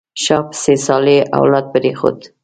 شا پسې صالح اولاد پرېښود.